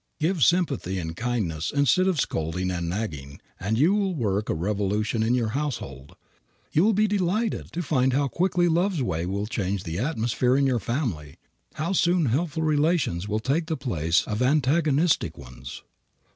Give sympathy and kindness instead of scolding and nagging and you will work a revolution in your household. You will be delighted to find how quickly love's way will change the atmosphere in your family, how soon helpful relations will take the place of antagonistic ones.